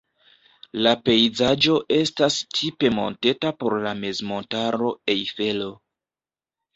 La pejzaĝo estas tipe monteta por la mezmontaro Ejfelo.